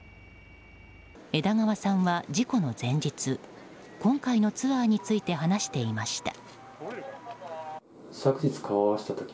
枝川さんは事故の前日今回のツアーについて話していました。